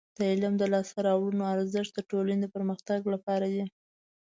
د علم د لاسته راوړنو ارزښت د ټولنې د پرمختګ لپاره دی.